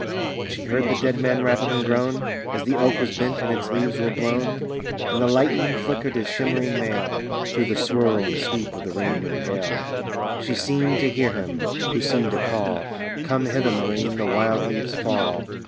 When she heard the dead man rattle and groan As the oak was bent and its leaves were blown, And the lightning flickered his shimmering mail, Through the swirl and sweep of the rain and hail, She seemed to hear him, who seemed to call, "Come hither, Maurine! the wild leaves fall!